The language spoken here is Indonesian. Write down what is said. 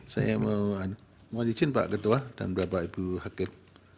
saya mohon izin pak ketua dan bapak ibu hakim